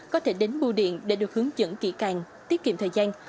có thể đến bu điện để được hướng dẫn kỹ càng tiết kiệm thời gian